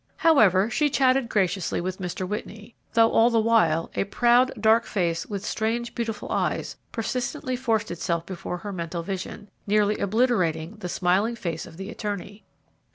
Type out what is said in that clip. However, she chatted graciously with Mr. Whitney, though, all the while, a proud, dark face with strangely beautiful eyes persistently forced itself before her mental vision, nearly obliterating the smiling face of the attorney.